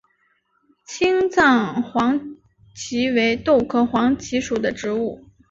青藏黄耆为豆科黄芪属的植物。